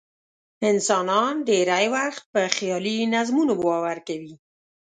انسانان ډېری وخت په خیالي نظمونو باور کوي.